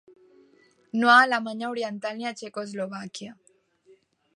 No a Alemanya Oriental ni a Txecoslovàquia.